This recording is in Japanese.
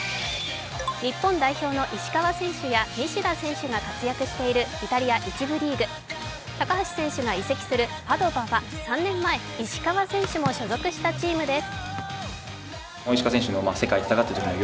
日本代表の石川選手や西田選手が活躍しているイタリア１部リーグ高橋選手が所属するパドヴァは３年前、石川選手も所属したチームです。